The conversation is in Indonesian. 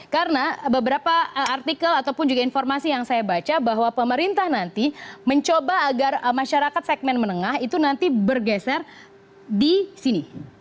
karena beberapa artikel ataupun juga informasi yang saya baca bahwa pemerintah nanti mencoba agar masyarakat segmen menengah itu nanti bergeser di sini